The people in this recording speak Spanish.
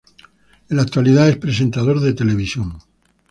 En la actualidad es presentador de televisión.